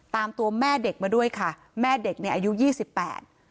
ตามตัวแม่เด็กมาด้วยค่ะแม่เด็กเนี่ยอายุยี่สิบแปด